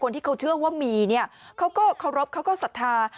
ที่เขาเชื่อว่ามีเนี่ยเขาก็เคารพเขาก็ศรัทธา